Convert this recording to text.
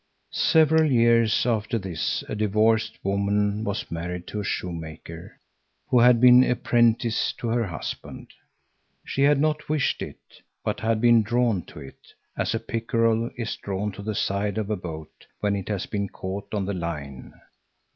Several years after this a divorced woman was married to a shoemaker, who had been apprentice to her husband. She had not wished it, but had been drawn to it, as a pickerel is drawn to the side of a boat when it has been caught on the line.